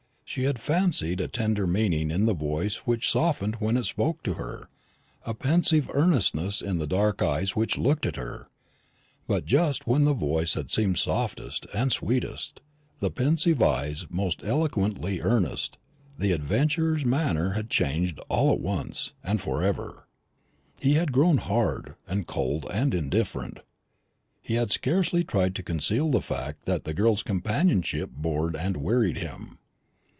She had fancied a tender meaning in the voice which softened when it spoke to her, a pensive earnestness in the dark eyes which looked at her; but just when the voice had seemed softest and sweetest, the pensive eyes most eloquently earnest, the adventurer's manner had changed all at once, and for ever. He had grown hard, and cold, and indifferent. He had scarcely tried to conceal the fact that the girl's companionship bored and wearied him.